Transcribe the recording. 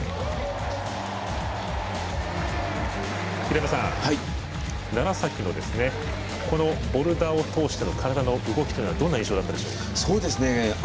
平山さん楢崎のボルダーを通しての体の動きというのはどんな印象だったでしょうか？